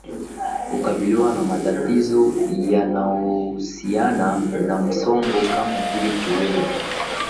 hukabiliwa na matatizo yanayohusiana na msongo kama vile kiwewe